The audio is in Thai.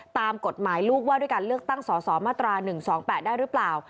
ตามกฎหมายลูกว่าด้วยการเลือกตั้งสอสอมาตรา๑๒๘ได้หรือเปล่า